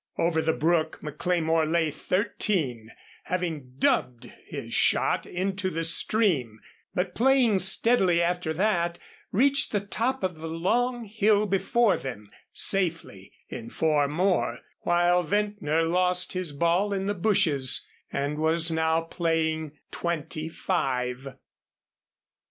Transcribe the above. Over the brook McLemore lay thirteen, having "dubbed" his shot into the stream, but playing steadily after that reached the top of the long hill before them, safely in four more; while Ventnor lost his ball in the bushes and was now playing twenty five.